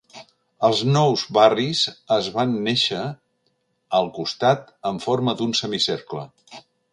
Els nous barris es van néixer al costat en forma d'un semicercle.